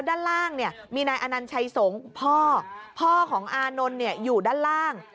ด้านล่างเนี่ยมีนายอนัญชัยสงฆ์พ่อพ่อของอานนท์อยู่ด้านล่าง